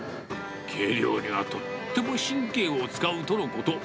計量にはとっても神経を使うとのこと。